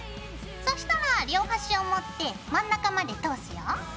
そしたら両端を持って真ん中まで通すよ。